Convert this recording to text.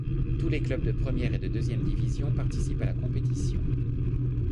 Tous les clubs de première et de deuxième division participent à la compétition.